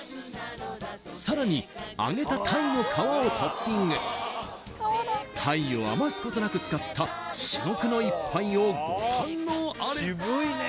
さらに揚げた鯛の皮をトッピング鯛を余すことなく使った至極の一杯をご堪能あれ！